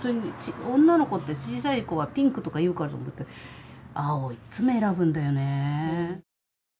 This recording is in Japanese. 女の子って小さい子はピンクとか言うかと思ったけど青をいっつも選ぶんだよね。